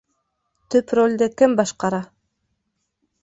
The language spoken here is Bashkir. Төп ролде кем башҡара?